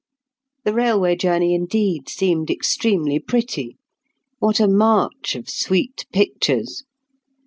The railway journey, indeed, seemed extremely pretty. What a march of sweet pictures!